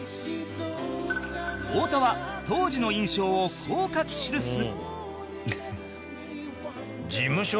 太田は当時の印象をこう書き記す